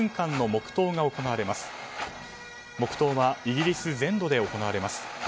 黙祷はイギリス全土で行われます。